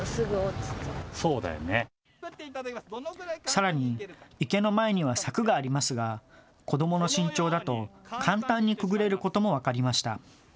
さらに池の前には柵がありますが子どもの身長だと簡単にくぐれることも分かりました。